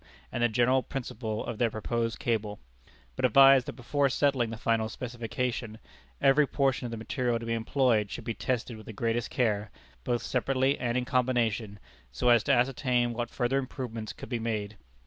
and the general principle of their proposed cable; but advised that before settling the final specification, every portion of the material to be employed should be tested with the greatest care, both separately and in combination, so as to ascertain what further improvements could be made.